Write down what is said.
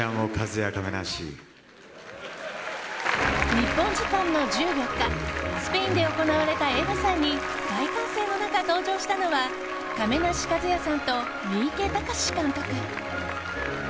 日本時間の１４日スペインで行われた映画祭に大歓声の中、登場したのは亀梨和也さんと三池崇史監督。